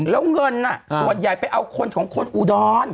แล้วเงินส่วนใหญ่ไปเอาคนของคนอุดร